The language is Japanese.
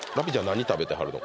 何食べてはるの？